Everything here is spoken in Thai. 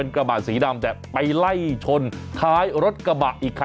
รอบเปล่า